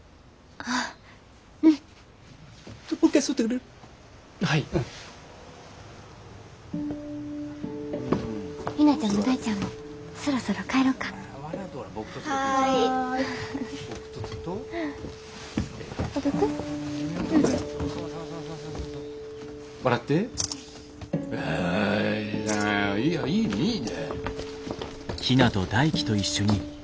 あいいよいいねいいね。